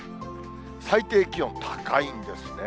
最低気温、高いんですね。